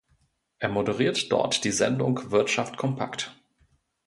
Er moderiert dort die Sendung „Wirtschaft kompakt“.